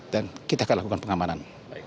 dan kita akan lakukan pengamanan